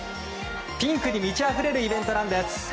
ピンクに満ちあふれるイベントなんです。